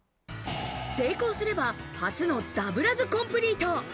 成功すれば初のダブらずコンプリート！